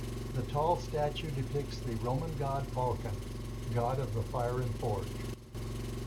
The tall statue depicts the Roman god Vulcan, god of the fire and forge.